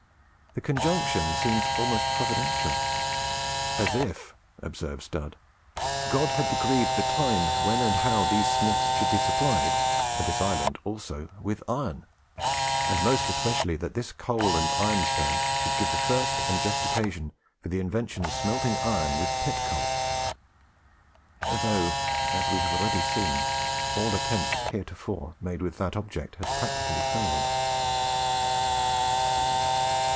The conjunction seemed almost providential "as if," observes Dud, "God had decreed the time when and how these smiths should be supplied, and this island also, with iron, and most especially that this cole and ironstone should give the first and just occasion for the invention of smelting iron with pit cole;" though, as we have already seen, all attempts heretofore made with that object had practically failed.